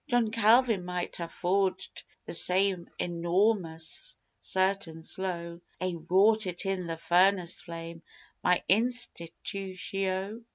John Calvin might ha' forged the same enorrmous, certain, slow Ay, wrought it in the furnace flame my "Institutio."